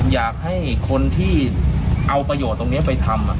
อยากให้คนที่เอาประโยชน์ตรงนี้ไปทำ